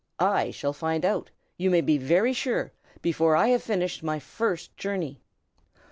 I shall find out, you may be very sure, before I have finished my first journey."